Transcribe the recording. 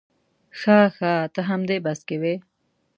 ښه ښه ته همدې بس کې وې.